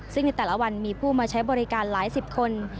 ซึ่งในแต่ละวันมีผู้มาใช้บริการหลายสิบคน